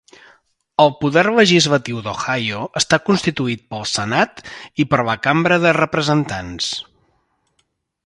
El poder legislatiu d'Ohio està constituït pel Senat i per la Cambra de Representants.